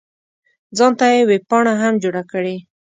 ځان ته یې ویبپاڼه هم جوړه کړې.